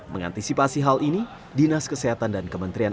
mengantisipasi hal ini dinas kesehatan dan kementerian